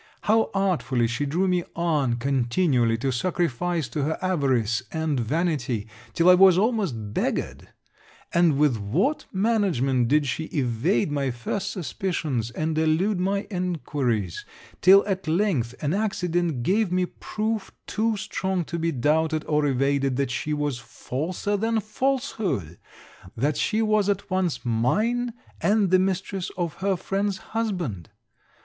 How artfully she drew me on continually to sacrifice to her avarice and vanity, till I was almost beggared; and with what management did she evade my first suspicions, and elude my enquiries, till at length an accident gave me proof too strong to be doubted or evaded, that she was falser than falsehood; that she was at once mine, and the mistress of her friend's husband!